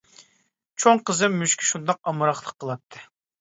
چوڭ قىزىم مۈشۈككە شۇنداق ئامراقلىق قىلاتتى.